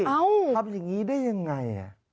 ทำอย่างนี้ได้ยังไง